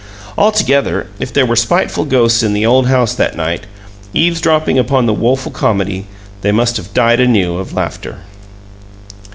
Altogether, if there were spiteful ghosts in the old house that night, eavesdropping upon the woeful comedy, they must have died anew of laughter!